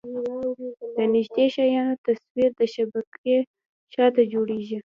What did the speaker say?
د نږدې شیانو تصویر د شبکیې شاته جوړېږي.